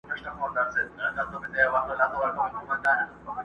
چي اوږدې غاړي لري هغه حلال که،